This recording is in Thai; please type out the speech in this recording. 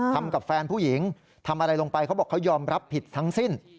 ทำกับแฟนผู้หญิงทำอะไรลงไปเขาบอกเขายอมรับผิดทั้งสิ้น